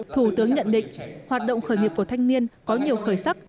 thủ tướng nhận định hoạt động khởi nghiệp của thanh niên có nhiều khởi sắc